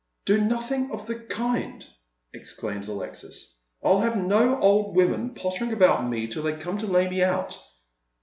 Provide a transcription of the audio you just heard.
" Do nothing of the kind," exclaims Alexis. " I'll have no old women pottering about me till they come to lay me out.